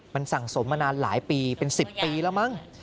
มันสั่งสมมานานหลายปีเป็น๑๐ปีแล้วมั้ง